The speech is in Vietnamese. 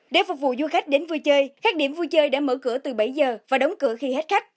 để phục vụ du khách đến vui chơi các điểm vui chơi đã mở cửa từ bảy giờ và đóng cửa khi hết khách